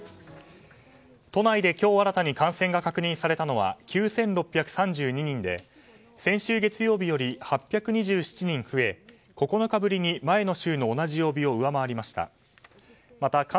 都内で今日新たに感染が確認されたのは９６３２人で先週月曜日より８２７人増え９日ぶりに前の週の同じ曜日を上回りました。